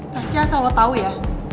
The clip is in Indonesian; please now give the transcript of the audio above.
kasih asal lo tau ya